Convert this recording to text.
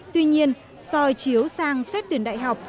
tuy nhiên soi chiếu sang xét tuyển đại học